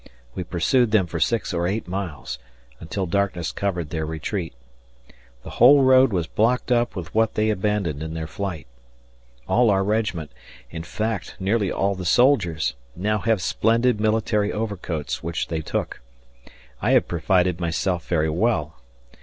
We pursued them for six or eight miles, until darkness covered their retreat. The whole road was blocked up with what they abandoned in their flight. All our regiment (in fact, nearly all the soldiers) now have splendid military overcoats which they took. I have provided myself very well.